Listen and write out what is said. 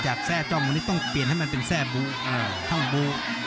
แทร่จ้องวันนี้ต้องเปลี่ยนให้มันเป็นแทร่บูท่องบู